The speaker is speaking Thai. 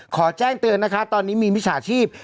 ขอแจ้งเตือนนะคะตอนนี้มีมิจฉาชีพ